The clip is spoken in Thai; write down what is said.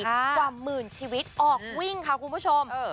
กว่าหมื่นชีวิตออกวิ่งค่ะคุณผู้ชม